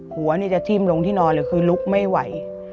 หัวจะจิ้มลงที่นอนเลยคือลุกไม่ไหว